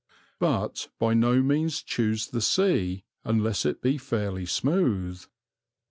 But by no means choose the sea unless it be fairly smooth.